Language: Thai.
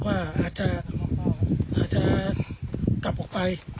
อาจจะกลับออกไป